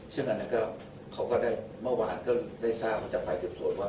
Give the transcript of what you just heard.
ซึ่งอันนั้นก็เขาก็ได้เมื่อวานก็ได้ทราบว่าจะไปเก็บโสดกว่า